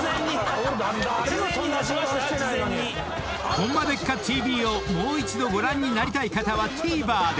［『ホンマでっか⁉ＴＶ』をもう一度ご覧になりたい方はＴＶｅｒで！］